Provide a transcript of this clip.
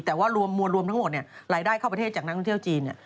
แต่ว่ารวมทั้งหมดรายได้ข้าวประเทศจากนักท่วนเที่ยวจีน